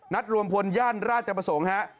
นัดรวมพลญาณราชประสงค์ฮะ